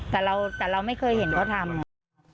แต่เราไม่เคยเห็นเขาทำไง